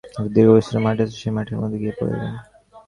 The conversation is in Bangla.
একটি দীর্ঘ বিস্তৃত মাঠ আছে, সেই মাঠের মধ্যে গিয়া পড়িলেন।